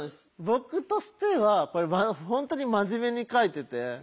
僕としては本当に真面目に書いてて。